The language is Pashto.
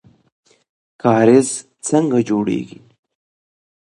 کاریز څنګه جوړیږي؟